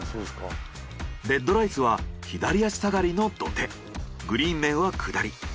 ＲＥＤＲＩＣＥは左足下がりの土手グリーン面は下り。